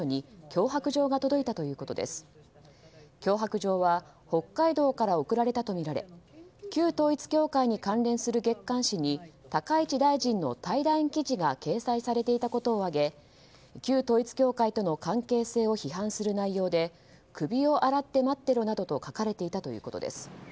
脅迫状は北海道から送られたとみられ旧統一教会に関連する月刊誌に高市大臣の対談記事が掲載されていたことを挙げ旧統一教会との関係性を批判する内容で首を洗って待ってろなどと書かれていたということです。